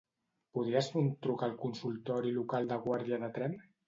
Podries fer un truc al consultori local de guàrdia de Tremp.